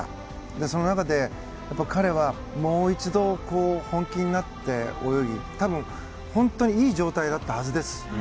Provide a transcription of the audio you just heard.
その中で彼はもう一度本気になって泳ぎ多分、本当にいい状態だったはずです。